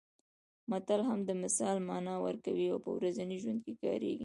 متل هم د مثال مانا ورکوي او په ورځني ژوند کې کارېږي